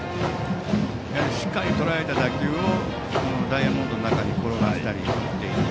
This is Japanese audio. しっかりとらえた打球をダイヤモンドの中に転がしたり。